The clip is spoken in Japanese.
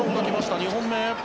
２本目。